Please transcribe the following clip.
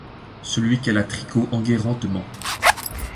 Celui qu'elle a tricot Enguerrand te ment.